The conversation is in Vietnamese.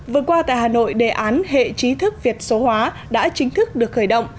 vừa qua tại hà nội đề án hệ trí thức việt số hóa đã chính thức được khởi động